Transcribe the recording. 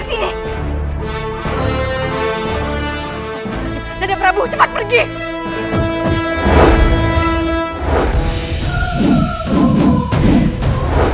kau sudah mengingkari janji aku tidak peduli cepat serahkan pedawam racun itu kau sudah berjanji